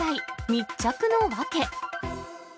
密着の訳。